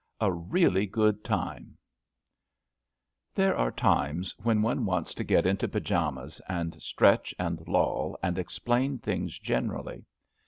A EEALLT GOOD TIME rpHERE are times when one wants to get into ■■ pyjamas and stretch and loll, and explain things generally.